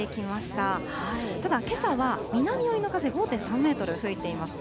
ただ、けさは南寄りの風５．３メートル吹いています。